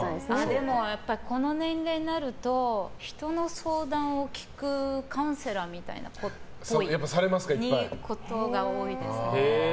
でも、この年齢になると人の相談を聞くカウンセラーみたいなことが多いですね。